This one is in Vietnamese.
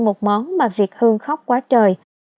một món mà việt hương khóc quá trời